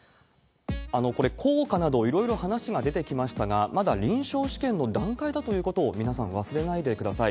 これ、効果などいろいろ話が出てきましたが、まだ臨床試験の段階だということを、皆さん忘れないでください。